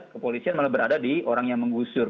kepolisian malah berada di orang yang menggusur